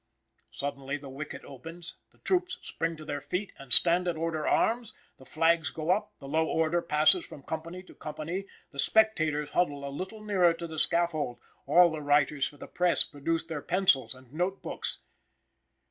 Suddenly the wicket opens, the troops spring to their feet, and stand at order arms, the flags go up, the low order passes from company to company; the spectators huddle a little nearer to the scaffold; all the writers for the press produce their pencils and note books.